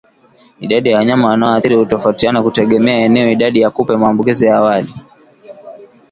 Idadi ya wanyama wanaoathirika hutofautiana kutegemea eneo idadi ya kupe maambukizi ya awali